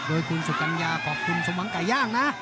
โดยคุณสุกัญญาขอบคุณสมหวังไก่ย่างนะ